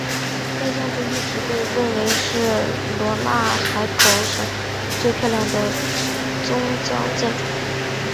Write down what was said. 该建筑一直被认为是罗讷河口省最漂亮的宗教建筑。